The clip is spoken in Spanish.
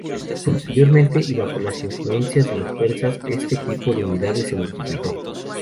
Posteriormente y bajo influencia de los persas, este tipo de unidades se multiplicó.